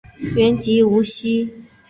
原籍无锡。